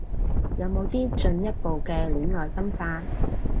有冇啲進一步嘅戀愛心法